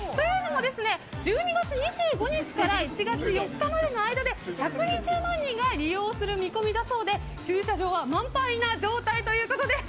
というのも、１２月２５日から１月４日までの間で１２０万人が利用する見込みだそうで駐車場は満杯の状態です。